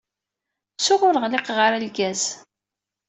Ttuɣ ur ɣliqeɣ ara lgaz!